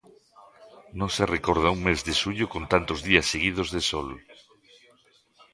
Non se recorda un mes de xullo con tantos días seguidos de sol.